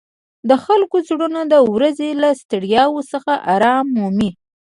د خلکو زړونه د ورځې له ستړیاوو څخه آرام مومي.